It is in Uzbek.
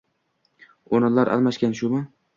O‘rinlar almashgan, shumi?